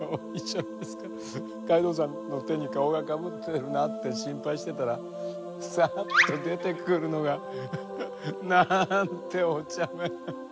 海道さんの手に顔がかぶってるなって心配してたらサッと出てくるのがなんておちゃめ。